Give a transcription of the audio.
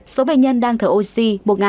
số bệnh nhân đang thở oxy